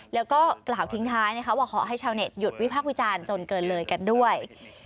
แล้วก็กล่าวทิ้งท้ายนะคะว่าขอให้ชาวเน็ตหยุดวิพักษ์วิจารณ์จนเกินเลยกันด้วย